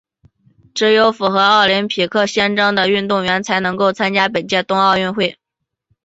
只有符合奥林匹克宪章的运动员才能够参加本届东京奥运。